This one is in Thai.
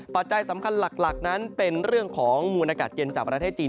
ปัจจัยสำคัญหลักนั้นเป็นเรื่องของมูลอากาศเย็นจากประเทศจีน